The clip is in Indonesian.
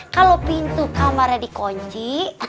kalau pintu kamarnya dikunci